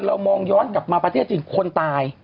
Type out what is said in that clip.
เรามองย้อนกลับมาประเทศจีนคนตาย